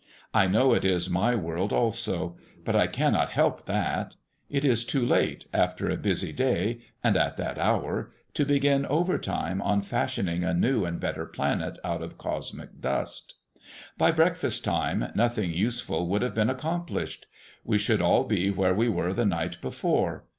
I know it is my world also; but I cannot help that. It is too late, after a busy day, and at that hour, to begin overtime on fashioning a new and better planet out of cosmic dust. By breakfast time, nothing useful would have been accomplished. We should all be where we were the night before.